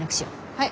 はい！